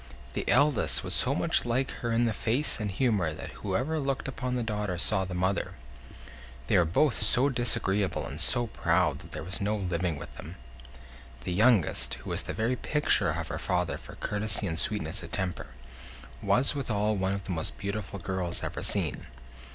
The eldest was so much like her in the face and humor that whoever looked upon the daughter saw the mother. They were both so disagreeable and so proud that there was no living with them. The youngest, who was the very picture of her father for courtesy and sweetness of temper, was withal one of the most beautiful girls ever seen.